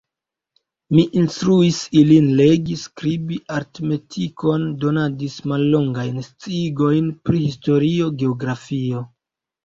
Mi instruis ilin legi, skribi, aritmetikon, donadis mallongajn sciigojn pri historio, geografio.